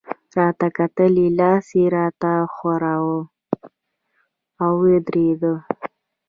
راته کتل يې، لاس يې راته ښوراوه، او ودرېد.